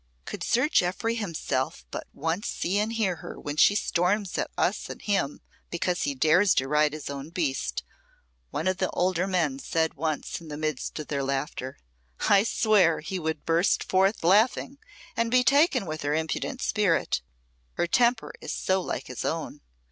"Could Sir Jeoffry himself but once see and hear her when she storms at us and him, because he dares to ride his own beast," one of the older men said once, in the midst of their laughter, "I swear he would burst forth laughing and be taken with her impudent spirit, her temper is so like his own.